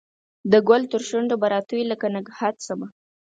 د ګل ترشو نډو به راتوی لکه نګهت شمه